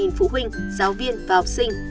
giáo viên và học sinh